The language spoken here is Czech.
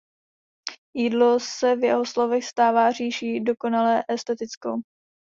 Jídlo se v jeho slovech stává říší dokonale estetickou.